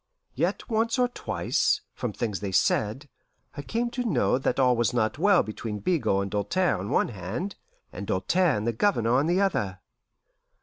Yet once or twice, from things they said, I came to know that all was not well between Bigot and Doltaire on one hand, and Doltaire and the Governor on the other.